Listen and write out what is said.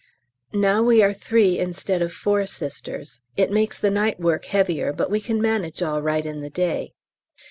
Now we are three instead of four Sisters, it makes the night work heavier, but we can manage all right in the day.